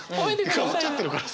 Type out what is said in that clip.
変わっちゃってるからさ。